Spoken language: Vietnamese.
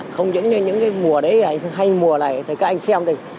không những những mùa đấy hay mùa này các anh xem đây